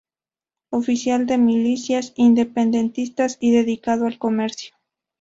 Oficial de milicias independentistas y dedicado al comercio.